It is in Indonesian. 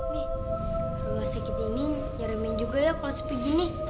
nih rumah sakit ini nyereme juga ya kalau sepi gini